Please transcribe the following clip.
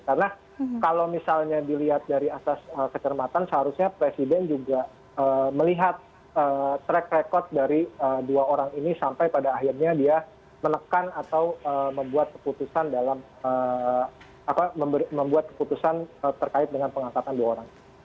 karena kalau misalnya dilihat dari asas kekermatan seharusnya presiden juga melihat track record dari dua orang ini sampai pada akhirnya dia menekan atau membuat keputusan terkait dengan pengangkatan dua orang